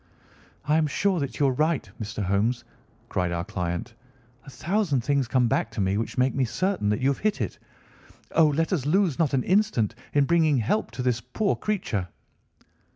"I am sure that you are right, Mr. Holmes," cried our client. "A thousand things come back to me which make me certain that you have hit it. Oh, let us lose not an instant in bringing help to this poor creature."